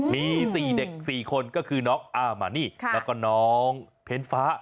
มี๔เด็ก๔คนก็คือน้องอามานี่แล้วก็น้องเพ้นฟ้า